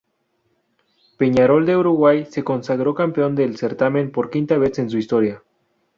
Peñarol de Uruguay se consagró campeón del certamen por quinta vez en su historia.